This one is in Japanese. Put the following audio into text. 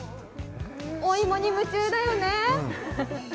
お芋に夢中だよね。